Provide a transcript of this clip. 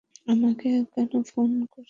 আমাকে কেন ফোন করেছো?